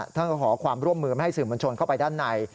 ท่านก็ขอความร่วมมือไม่ให้สื่อมวลชนเข้าไปด้านใน